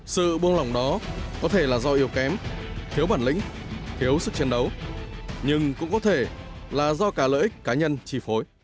sự buông lỏng đó có thể là do yếu kém thiếu bản lĩnh thiếu sức chiến đấu nhưng cũng có thể là do cả lợi ích cá nhân trì phối